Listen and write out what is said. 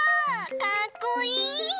かっこいい！